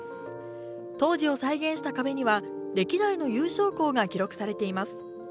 当時を再現した壁には歴代の優勝校が記録されています。